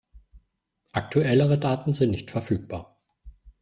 Aktuellere Daten sind nicht verfügbar.